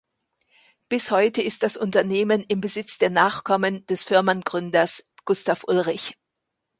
Bis heute ist das Unternehmen im Besitz der Nachkommen des Firmengründers "Gustav Ullrich".